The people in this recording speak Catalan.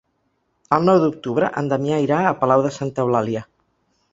El nou d'octubre en Damià irà a Palau de Santa Eulàlia.